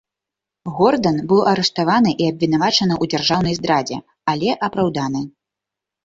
Гордан быў арыштаваны і абвінавачаны ў дзяржаўнай здрадзе, але апраўданы.